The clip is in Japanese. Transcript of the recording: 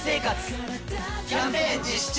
キャンペーン実施中！